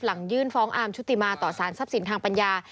หลังยื่นฟ้องอาร์มชุติมาต่อสารทรัพย์สินทางปัญญา